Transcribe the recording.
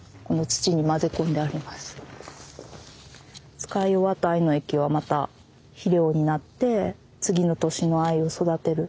使い終わった藍の液はまた肥料になって次の年の藍を育てる。